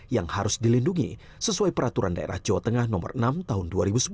yang harus dilindungi sesuai peraturan daerah jawa tengah nomor enam tahun dua ribu sebelas